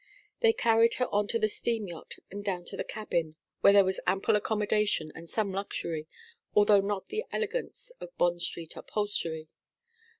They carried her on to the steam yacht, and down to the cabin, where there was ample accommodation and some luxury, although not the elegance of Bond Street upholstery.